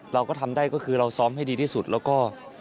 เราก็ทำได้ก็คือเราซ้อมให้ดีที่สุดแล้วก็